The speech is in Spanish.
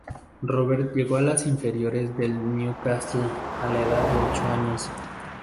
Robert llegó a las inferiores del Newcastle a la edad de ocho años.